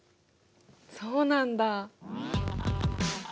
そうなんだ！